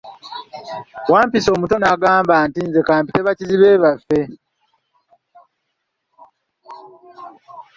Wampisi omuto naye n'agamba nti, nze ka mpite bakizibwe baffe.